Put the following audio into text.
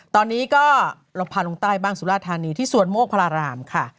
ตอนนี้ก็เราพาลงใต้บ้างสุราธานีที่สวนโมกพระรามค่ะ